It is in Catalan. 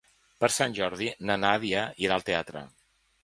Per Sant Jordi na Nàdia irà al teatre.